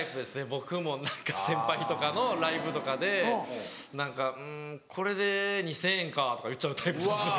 僕も先輩とかのライブとかで「うんこれで２０００円か」とか言っちゃうタイプです。